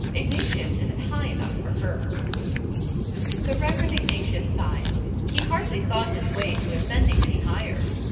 Ignatius isn't high enough for her." The Reverend Ignatius sighed. He hardly saw his way to ascending any higher.